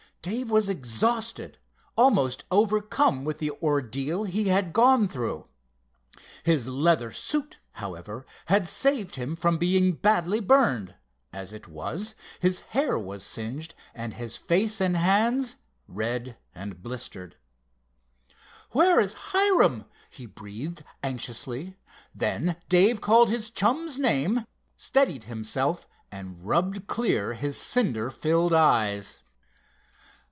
Dave was exhausted, almost overcome with the ordeal he had gone through. His leather suit, however, had saved him from being badly burned. As it was, his hair was singed and his face and hands red and blistered. "Where is Hiram?" he breathed anxiously. Then Dave called his chum's name, steadied himself, and rubbed clear his cinder filled eyes.